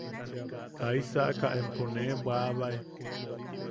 –¿Jaisaaka empo nee bwaʼabae.